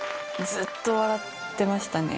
ずっと笑ってましたね。